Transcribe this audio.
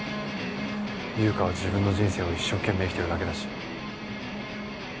優香は自分の人生を一生懸命生きてるだけだし。